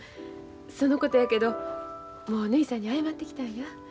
そのことやけどもうぬひさんに謝ってきたんや。